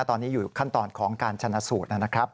ตอนนี้อยู่ขั้นตอนของการชนะสูตรนะครับ